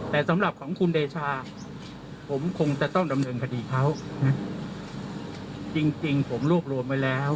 แต่สำหรับของคุณเดชาผมคงจะต้องดำเนินคดีเขานะจริงจริงผมรวบรวมไว้แล้ว